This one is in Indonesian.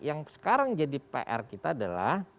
yang sekarang jadi pr kita adalah